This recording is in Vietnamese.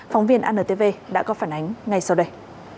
phóng viên antv đã có phản ánh ngay sau đây